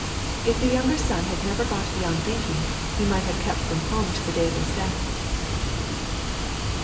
If the younger son had never got beyond thinking, he might have kept from home to the day of his death.